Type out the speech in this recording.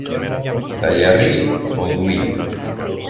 La Jarrie-Audouin